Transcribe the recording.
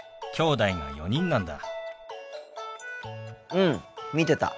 うん見てた。